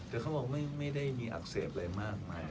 แต่เขาบอกไม่ได้มีอักเสบอะไรมากมาย